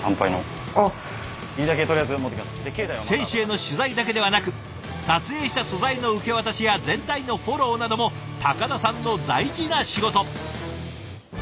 選手への取材だけではなく撮影した素材の受け渡しや全体のフォローなども高田さんの大事な仕事。